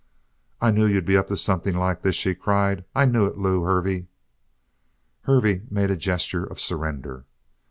"I knew you'd be up to something like this!" she cried. "I knew it, Lew Hervey!" Hervey made a gesture of surrender.